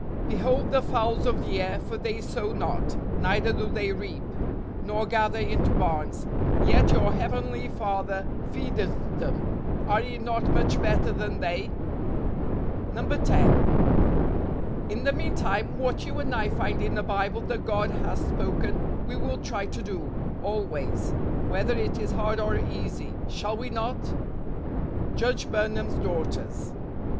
" Behold the fowls of the air: for they sow not , neither do they reap , nor gather into barns; yet your Heavenly Father fcedeth them. Are ye not much better than they ?" 10. "In the meantime, what you and I find in the Bible that God has spoken, we will try to do, always : whether it is hard or easy. Shall we not ?" Judge Burnham's Daughters.